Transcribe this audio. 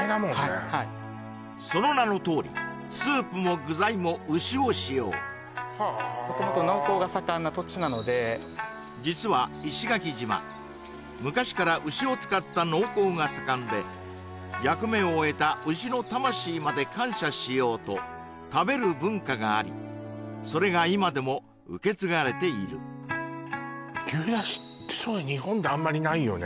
はいはいその名のとおりスープも具材も牛を使用はあ元々農耕が盛んな土地なので実は石垣島昔から牛を使った農耕が盛んで役目を終えた牛の魂まで感謝しようと食べる文化がありそれが今でも受け継がれている牛だしってそう日本であんまりないよね